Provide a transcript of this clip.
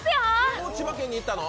もう千葉県に行ったの？